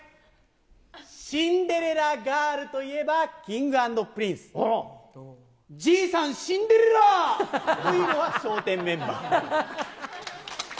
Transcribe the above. シンデレラガールといえばＫｉｎｇ＆Ｐｒｉｎｃｅ、じいさんしんでれらというのは笑点メンバー。